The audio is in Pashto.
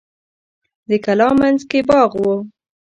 د کلا مینځ کې باغ و.